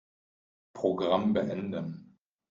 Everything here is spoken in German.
Programm beenden.